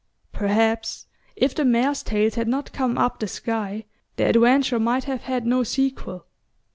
Perhaps if the mares' tails had not come up the sky their adventure might have had no sequel.